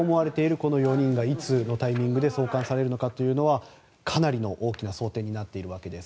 この４人がいつのタイミングで送還されるのかというのはかなりの大きな争点になっているわけです。